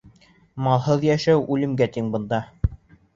Малһыҙ йәшәү үлемгә тиң бында.